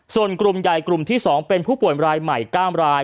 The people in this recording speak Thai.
ส่วนกลุ่มใหญ่กลุ่มที่๒เป็นผู้ป่วยรายใหม่๙ราย